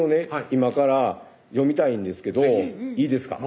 今から読みたいんですけどいいですか？